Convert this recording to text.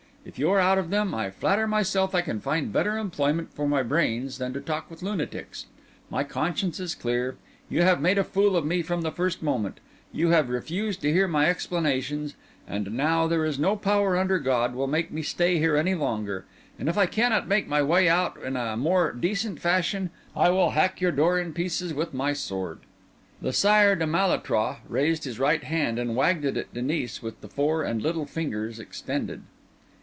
If you are out of them, I flatter myself I can find better employment for my brains than to talk with lunatics. My conscience is clear; you have made a fool of me from the first moment; you have refused to hear my explanations; and now there is no power under God will make me stay here any longer; and if I cannot make my way out in a more decent fashion, I will hack your door in pieces with my sword." The Sire de Malétroit raised his right hand and wagged it at Denis with the fore and little fingers extended.